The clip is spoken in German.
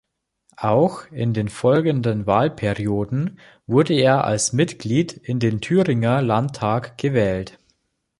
Auch in den folgenden Wahlperioden wurde er als Mitglied in den Thüringer Landtag gewählt.